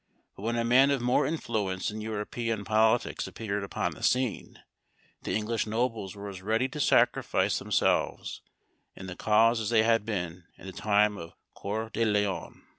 But when a man of more influence in European politics appeared upon the scene, the English nobles were as ready to sacrifice themselves in the cause as they had been in the time of Coeur de Lion.